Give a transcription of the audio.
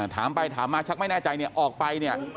ถามมาชักไม่แน่ใจออกไปเนี่ย